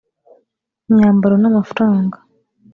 imyambaro n’amafaranga